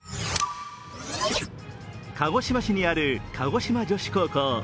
鹿児島市にある鹿児島女子高校。